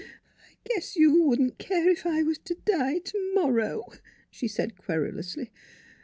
" I guess you wouldn't care if I was to die to morrow," she said querulously.